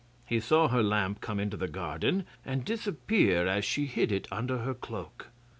He saw her lamp come into the garden and disappear as she hid it under her cloak.